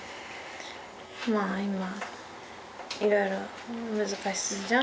まあ今いろいろ難しいじゃん。